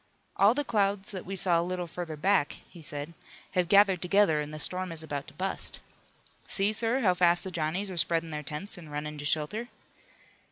"All the clouds that we saw a little further back," he said, "have gathered together, an' the storm is about to bust. See, sir, how fast the Johnnies are spreadin' their tents an' runnin' to shelter."